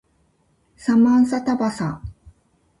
サマンサタバサ